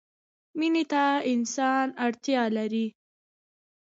مینې ته انسان اړتیا لري.